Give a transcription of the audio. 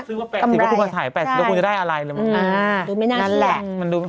ซื้อ๘๐บาทถูกกว่าขาย๘๐บาทแล้วคงจะได้อะไรเลยมั้งนั่นแหละ